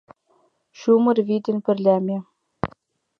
Чумыр вий дене пырля ме